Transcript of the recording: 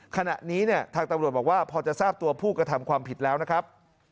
ขณะนี้เนี่ยทางตำรวจบอกว่าพอจะทราบตัวผู้กระทำความผิดแล้วนะครับ